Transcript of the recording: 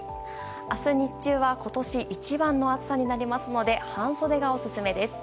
明日日中は今年一番の暑さになりますので半袖がオススメです。